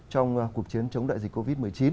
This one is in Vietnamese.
trong cuộc chiến chống đại dịch covid một mươi chín